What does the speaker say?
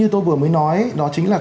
như tôi vừa mới nói đó chính là